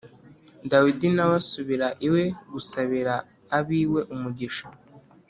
Dawidi na we asubira iwe gusabira ab’iwe umugisha.